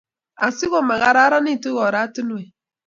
asigo magararanitu oratinwek